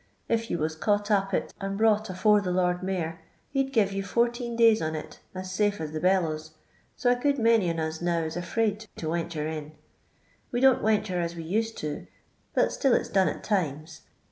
If you waa caught up it and brought afore the Lord Mayor, he 'd give yon fourteen days on it, as safe as the bellows, so a good many on us now is afraid to wentnre in. We don't wentnre as we used to, but still it 's done at times.